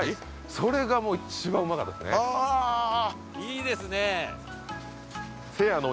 それが一番うまかったですねいいですね